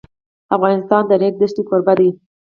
افغانستان د د ریګ دښتې کوربه دی.